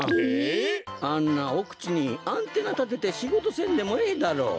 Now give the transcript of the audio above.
あんなおくちにアンテナたててしごとせんでもええだろう。